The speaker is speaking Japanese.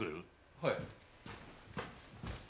はい。